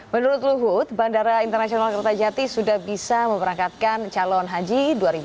menurut luhut bandara internasional kertajati sudah bisa memperangkatkan calon haji dua ribu delapan belas